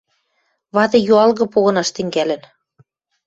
вады юалгы погынаш тӹнгӓлӹн.